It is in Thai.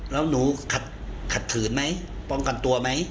แล้วหนูขัดขืนไหมป้องกันตัวไหม